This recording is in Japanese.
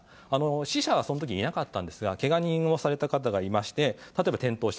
死者はその時いなかったんですがけがをされた方がいまして例えば、転倒した。